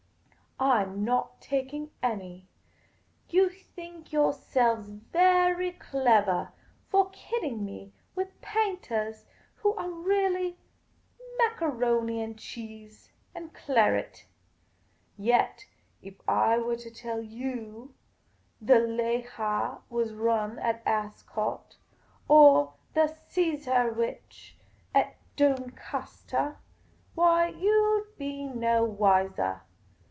I 'm not taking any. You think yourselves very clevah for kidding me with paintahs who are really macaroni and cheese and claret ; yet if I were to tell you the Lejah was run at Ascot, or the Cesarewitch at Doncnstah, why, you 'd be no wisah.